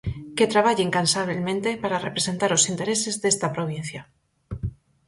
Que traballe incansabelmente para representar os intereses desta provincia.